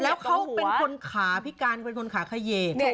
แล้วเขาเป็นคนขาพิการเป็นคนขาเขยก